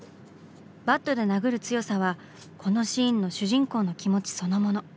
バットで殴る強さはこのシーンの主人公の気持ちそのもの。